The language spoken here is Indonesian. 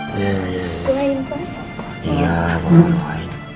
kamu yang suka alleviate it